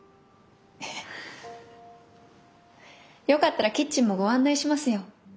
よかったらキッチンもご案内しますよ。